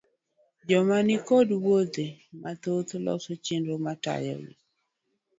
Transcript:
Joma ni koda wuothe mathoth, loso chenro matayogi